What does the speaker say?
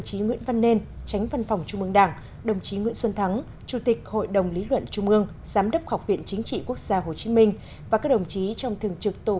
chủ tịch quốc gia hồ chí minh và các đồng chí trong thường trực tổ biên tập của tiểu ban văn kiện